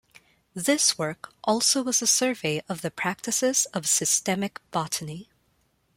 This work also was a survey of the practices of systematic botany.